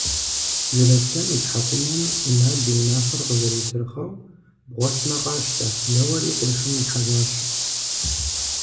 Жыраслъэн и тхьэкӀумэм Инал и унафэр къызэрицырхъэу – бгъуэтмэ къащтэ – еуэри къуршым ихьэжащ.